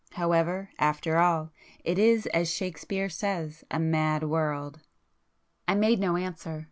However, after all, it is as Shakespeare says, a mad world!" I made no answer.